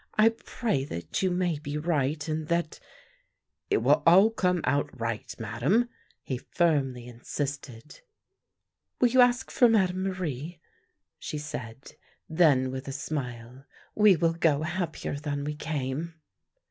I pray that you may be right, and that "" It will all come out right, Madame," he firmly in sisted. " Will you ask for Madame Marie? " she said. Then, with a.smile, " We will go happier than we came."